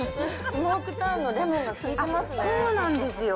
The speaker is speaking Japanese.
スモークタンのレモンが効いてますね。